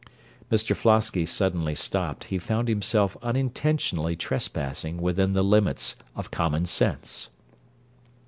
_(Mr Flosky suddenly stopped: he found himself unintentionally trespassing within the limits of common sense.)